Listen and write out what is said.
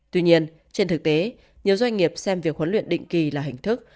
tuy nhiên trên thực tế nhiều doanh nghiệp xem việc huấn luyện định kỳ là hình thức